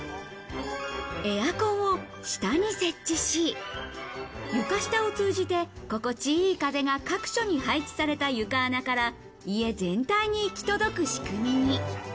エアコンを下に設置し、床下を通じて心地良い風が各所に配置された床穴から家全体に行き届く仕組みに。